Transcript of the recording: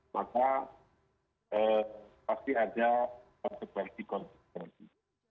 maka pasti ada konsekuensi konsekuensi